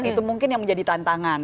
itu mungkin yang menjadi tantangan